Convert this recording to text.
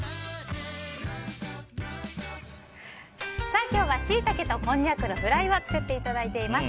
さあ、今日はシイタケとこんにゃくのフライを作っていただいています。